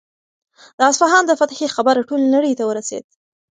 د اصفهان د فتحې خبر ټولې نړۍ ته ورسېد.